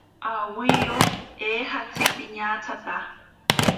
Awiro eejatzi piñatsata.